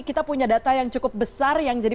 kita punya data yang cukup besar yang jadi